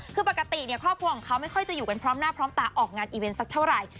คือปกติครอบครัวของเขาไม่ค่อยจะอยู่กันพร้อมหน้าพร้อมตาออกงานอีเวนต์สักเท่าไหร่